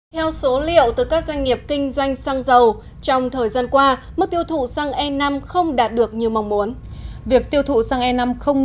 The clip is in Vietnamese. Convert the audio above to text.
theo số liệu từ các doanh nghiệp kinh doanh xăng dầu trong thời gian qua mức tiêu thụ xăng e năm không đạt được như mong muốn